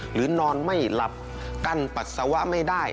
นอนไม่หลับกั้นปัสสาวะไม่ได้